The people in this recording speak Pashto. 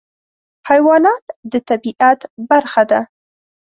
حیوانات د طبیعت برخه ده.